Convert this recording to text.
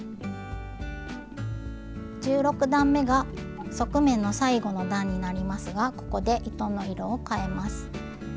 １６段めが側面の最後の段になりますがここで糸の色をかえます。